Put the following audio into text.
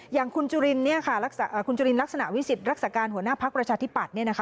อย่างคุณจุรินลักษณะวิสิทธิ์รักษาการหัวหน้าภักร์ประชาธิบัตร